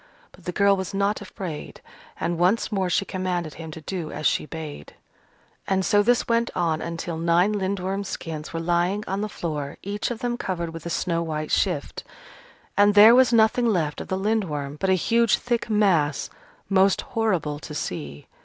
But the girl was not afraid, and once more she commanded him to do as she bade. And so this went on until nine Lindworm skins were lying on the floor, each of them covered with a snow white shift. And there was nothing left of the Lindworm but a huge thick mass, most horrible to see.